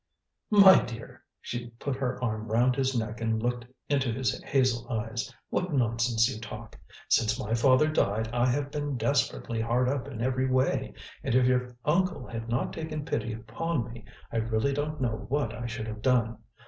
"My dear," she put her arm round his neck and looked into his hazel eyes, "what nonsense you talk. Since my father died I have been desperately hard up in every way, and if your uncle had not taken pity upon me, I really don't know what I should have done.